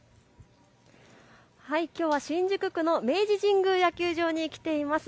きょうは新宿区の明治神宮野球場に来ています。